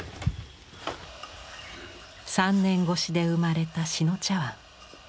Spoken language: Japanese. ３年越しで生まれた志野茶碗。